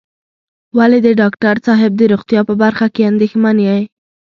ولې د ډاکټر صاحب د روغتيا په برخه کې اندېښمن یې.